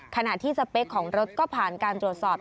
ขณะที่สเปคของรถก็ผ่านการตรวจสอบ